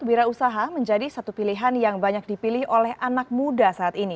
wira usaha menjadi satu pilihan yang banyak dipilih oleh anak muda saat ini